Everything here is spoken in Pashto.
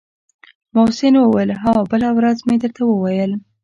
محسن وويل ها بله ورځ چې مې درته وويل.